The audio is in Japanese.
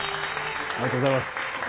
ありがとうございます。